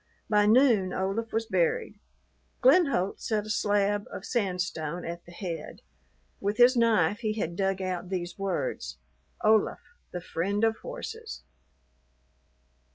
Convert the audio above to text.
By noon Olaf was buried. Glenholdt set a slab of sandstone at the head. With his knife he had dug out these words "Olaf. The friend of horses."